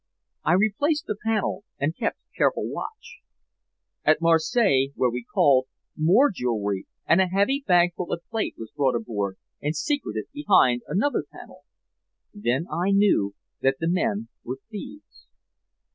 "I replaced the panel and kept careful watch. At Marseilles, where we called, more jewelry and a heavy bagful of plate was brought aboard and secreted behind another panel. Then I knew that the men were thieves.